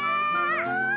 うわ！